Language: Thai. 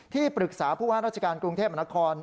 ที่ปรึกษาผู้ว่าราชการกรุงเทพมนาคม